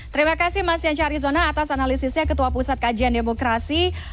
terima kasih mas yansa arizona atas analisisnya ketua pusat kajian demokrasi